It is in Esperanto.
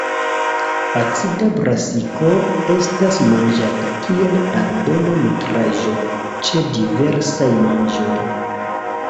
Acida brasiko estas manĝata kiel aldona nutraĵo ĉe diversaj manĝoj.